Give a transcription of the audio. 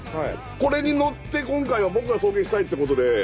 これに乗って今回は僕が送迎したいってことで。